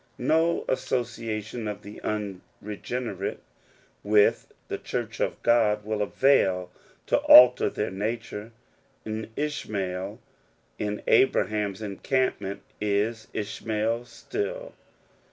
29 » No association of the unregenerate with the Church of God will avail to alter their nature: an Ishmael in Abraham's encampment is Ishmael still.